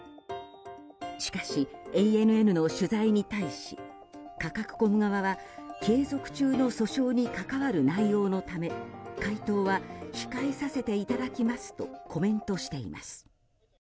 しかしＡＮＮの取材に対しカカクコム側は係属中の訴訟に関わる内容のため回答は控えさせていただきますとコメントしています。